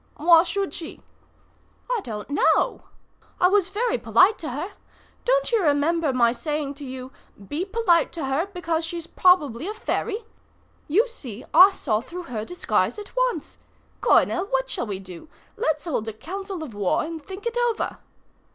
"Why should she?" "I don't know. I was very polite to her. Don't you remember my saying to you, 'Be polite to her, because she's probably a fairy!' You see, I saw through her disguise at once. Coronel, what shall we do? Let's hold a council of war and think it over."